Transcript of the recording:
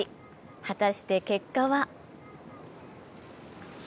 果たして結果は？